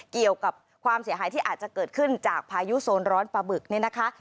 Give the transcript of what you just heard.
เกี่ยวกับความเสียหายที่อาจจะเกิดขึ้นจากพายุโซนร้อนปลาบึกเนี่ยนะคะ